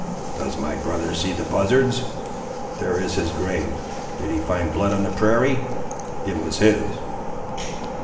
"Does my brother see the buzzards? there is his grave. Did he find blood on the prairie? It was his."